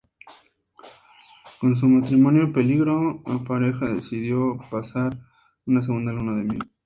Con su matrimonio en peligro, la pareja decidió pasar una segunda luna de miel.